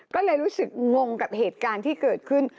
ก็เลยรู้สึกงงกับเหตุการณ์ที่เกิดขึ้น